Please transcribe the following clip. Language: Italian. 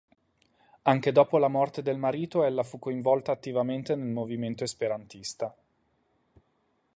Anche dopo la morte del marito ella fu coinvolta attivamente nel movimento esperantista.